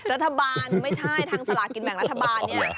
รัฐบาลไม่ใช่ทางสลากินแบ่งรัฐบาลเนี่ย